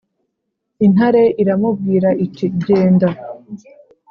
Intare iramubwira iti: "Genda